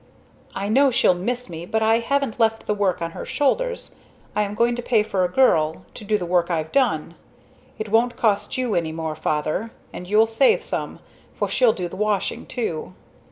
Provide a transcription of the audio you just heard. "I know she'll miss me; but I haven't left the work on her shoulders. I am going to pay for a girl to do the work I've done. It won't cost you any more, Father; and you'll save some for she'll do the washing too.